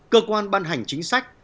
cơ quan ban hành chính sách